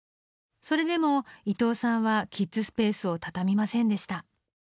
それでも伊藤さんはキッズスペースを畳みませんでした。